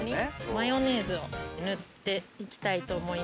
マヨネーズを塗っていきたいと思います。